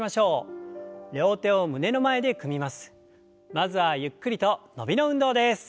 まずはゆっくりと伸びの運動です。